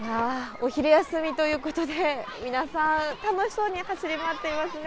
お昼休みということで皆さん楽しそうに走り回っていますね。